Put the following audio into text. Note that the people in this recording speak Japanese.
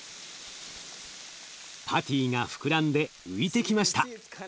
パティが膨らんで浮いてきました。